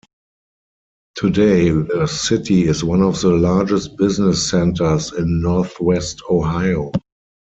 Today the city is one of the largest business centers in Northwest Ohio.